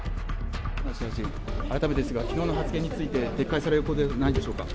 改めてですが、きのうの発言について撤回されるお考えはないんでしょうか。